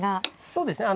そうですね。